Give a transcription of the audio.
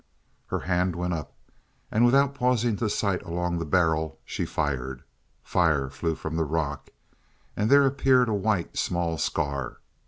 Her hand went up, and without pausing to sight along the barrel, she fired; fire flew from the rock, and there appeared a white, small scar.